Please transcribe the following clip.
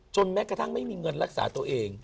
แม้กระทั่งไม่มีเงินรักษาตัวเอง